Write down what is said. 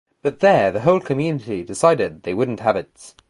But there the whole community decided they wouldn't have it.